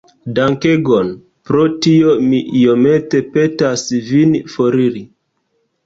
Dankegon. Pro tio mi iomete petas vin foriri.